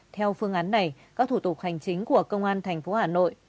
theo phương án này các thủ tục hành chính của công an thành phố hà nội